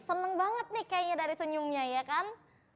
seneng banget nih kayaknya dari senyumnya ya kan